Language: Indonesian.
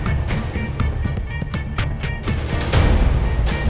aku sudah denen